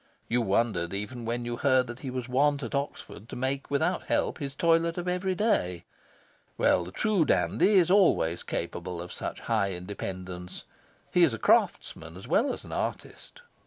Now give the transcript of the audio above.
You wondered even when you heard that he was wont at Oxford to make without help his toilet of every day. Well, the true dandy is always capable of such high independence. He is craftsman as well as artist.